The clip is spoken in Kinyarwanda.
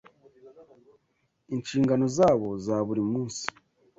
inshingano zabo za buri munsi